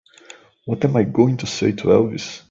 What am I going to say to Elvis?